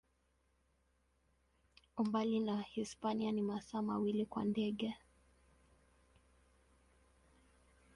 Umbali na Hispania ni masaa mawili kwa ndege.